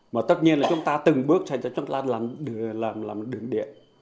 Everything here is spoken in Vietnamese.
mà tất nhiên là chúng ta từng bước sẽ cho chúng ta làm đường điện